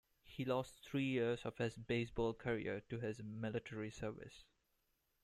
He lost three years of his baseball career to his military service.